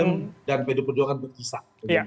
nasdem dan pd perjuangan berpisah